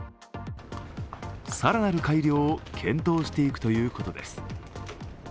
更なる改良を検討していくということです。